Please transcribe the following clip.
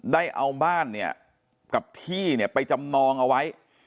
ได้เอาบ้านเนี่ยกับที่เนี่ยไปจำนองเอาไว้